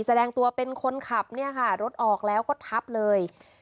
แสดงตัวเป็นคนขับเนี่ยค่ะรถออกแล้วก็ทับเลย